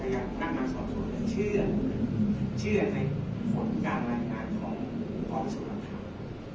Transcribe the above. ตอนนั้นก็คือถ้าอยากนั่งมาสอบสนเชื่อเชื่อให้ผลการรายการของของสมรรถธรรม